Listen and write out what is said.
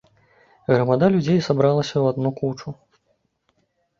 Грамада людзей сабралася ў адну кучу.